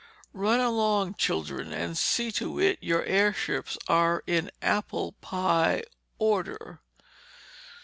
Run along, children, and see to it your airships are in apple pie order."